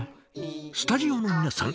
スタジオの皆さん